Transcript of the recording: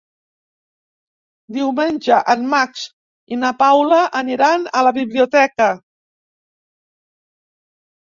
Diumenge en Max i na Paula aniran a la biblioteca.